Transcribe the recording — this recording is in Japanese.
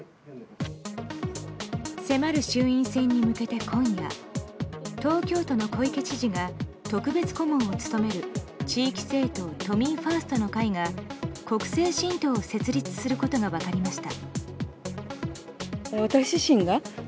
迫る衆院選に向けて今夜東京都の小池知事が特別顧問を務める地域政党、都民ファーストの会が国政新党を設立することが分かりました。